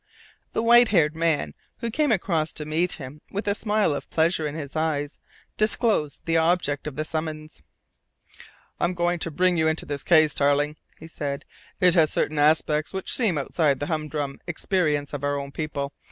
The white haired man who came across to meet him with a smile of pleasure in his eyes disclosed the object of the summons. "I'm going to bring you into this case, Tarling," he said. "It has certain aspects which seem outside the humdrum experience of our own people.